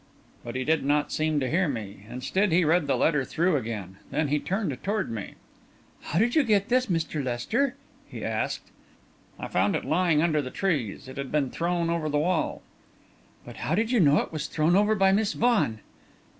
But he did not seem to hear me. Instead he read the letter through again, then he turned toward me. "How did you get this, Mr. Lester?" he asked. "I found it lying under the trees. It had been thrown over the wall." "But how did you know it was thrown over by Miss Vaughan?"